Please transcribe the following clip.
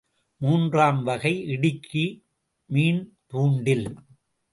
மூன்றாம் வகை இடுக்கி, மீன்தூண்டில்.